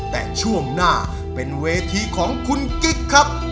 แต่ช่วงหน้าเป็นเวทีของคุณกิ๊กครับ